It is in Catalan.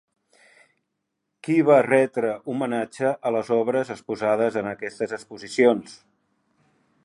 Qui va retre homenatge a les obres exposades en aquestes exposicions?